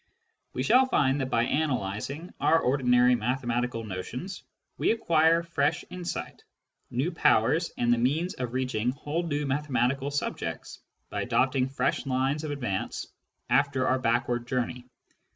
We shall find that by analysing our ordinary mathematical notions we acquire fresh insight, new powers, and the means of reaching whole new mathematical subjects by adopting fresh lines of advance after our backward journey.